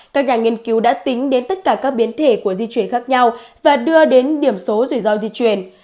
các nhà nghiên cứu đã tính đến tất cả các biến thể của di chuyển khác nhau và đưa đến điểm số rủi ro di chuyển